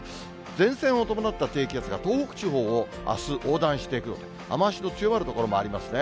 前線を伴った低気圧が東北地方をあす横断していく予定、雨足の強まる所もありますね。